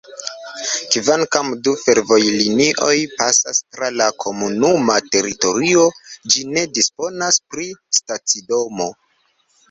Kvankam du fervojlinioj pasas tra la komunuma teritorio, ĝi ne disponas pri stacidomo.